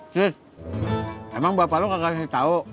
terus emang bapak lo gak kasih tau